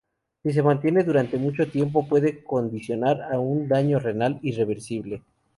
Si se mantiene durante mucho tiempo puede condicionar a un daño renal irreversible.